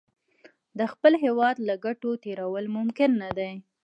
د خپل هېواد له ګټو تېرول ممکن نه دي.